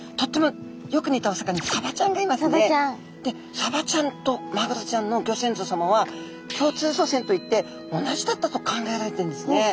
サバちゃんとマグロちゃんのギョ先祖さまは共通祖先といって同じだったと考えられてるんですね。